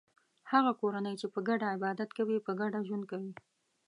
هغه کورنۍ چې په ګډه عبادت کوي په ګډه ژوند کوي.